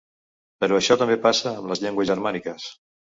Però això també passa amb les llengües germàniques.